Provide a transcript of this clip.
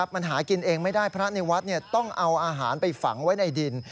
มันหากินเองไม่ได้พระในวัดต้องเอาอาหารไปฝังไว้ในดิน